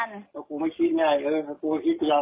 เอ้ากูไม่คิดไงเออ